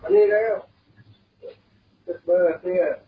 นี่เป็นภาพ